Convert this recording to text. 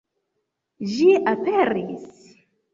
Ĝi aperis!